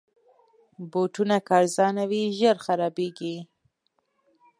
بوټونه که ارزانه وي، ژر خرابیږي.